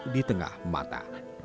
di tengah mata